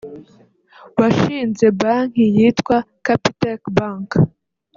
washinze banki yitwa Capitec Bank